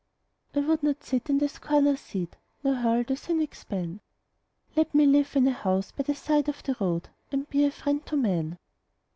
I would not sit in the scorner's seat Nor hurl the cynic's ban Let me live in a house by the side of the road And be a friend to man.